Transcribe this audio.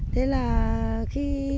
thế là khi